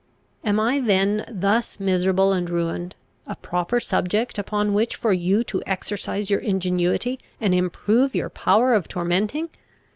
Am I then, thus miserable and ruined, a proper subject upon which for you to exercise your ingenuity, and improve your power of tormenting?